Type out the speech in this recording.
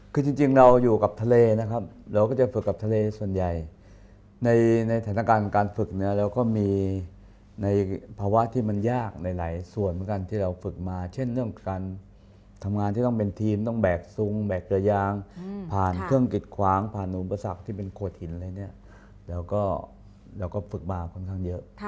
คือจริงเราอยู่กับทะเลนะครับเราก็จะฝึกกับทะเลส่วนใหญ่ในสถานการณ์การฝึกเนี่ยเราก็มีในภาวะที่มันยากในหลายส่วนเหมือนกันที่เราฝึกมาเช่นเรื่องการทำงานที่ต้องเป็นทีมต้องแบกซุงแบกเรือยางผ่านเครื่องกิดขวางผ่านอุปสรรคที่เป็นโขดหินอะไรเนี่ยเราก็เราก็ฝึกมาค่อนข้างเยอะ